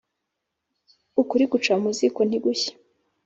Ukuri guca mu ziko ntigushye